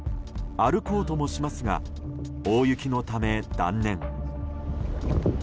歩こうともしますが大雪のため断念。